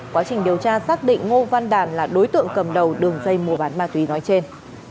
quá trình điều tra xác định ngô văn đàn là đối tượng cầm đầu đường dây mua bán ma túy nói trên